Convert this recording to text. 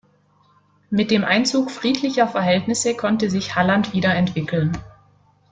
Mit dem Einzug friedlicher Verhältnisse konnte sich Halland wieder entwickeln.